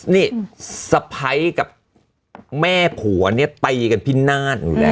นี่สะพ้ายกับแม่ผัวเนี่ยตีกันพินาศอยู่แล้ว